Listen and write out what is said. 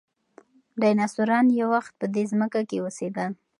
ډیناسوران یو وخت په دې ځمکه کې اوسېدل.